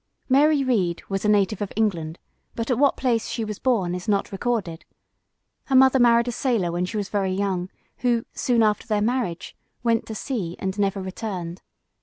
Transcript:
Mary Read was a native of England, but at what place she was born is not recorded. Her mother married a sailor when she was very young, who, soon after their marriage, went to sea, and never returned.